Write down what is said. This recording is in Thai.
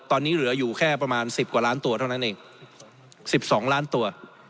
ตอนนี้เหลืออยู่แค่ประมาณ๑๐กว่าล้านตัวเท่านั้นเอง๑๒ล้านตัว